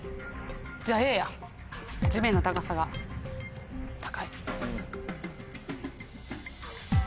じゃあＡや地面の高さが高い。